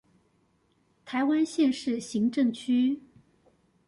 臺灣縣市行政區